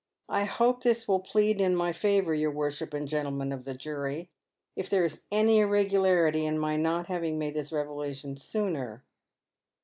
I hope this will plead in my favour, your worship and gentlemen of the jury, if there is any irregularity in my not having made this revelation sooner."